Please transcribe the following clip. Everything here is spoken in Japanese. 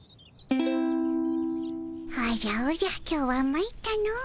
おじゃおじゃ今日はまいったの。